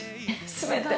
全て。